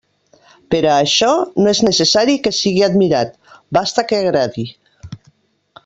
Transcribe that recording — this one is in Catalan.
Per a això no és necessari que sigui admirat, basta que agradi.